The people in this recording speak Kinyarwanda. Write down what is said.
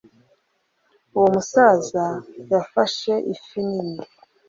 uwo musaza yafashe ifi nini